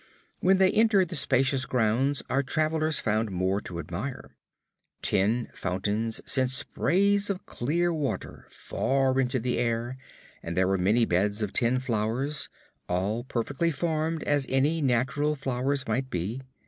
When they entered the spacious grounds our travelers found more to admire. Tin fountains sent sprays of clear water far into the air and there were many beds of tin flowers, all as perfectly formed as any natural flowers might be.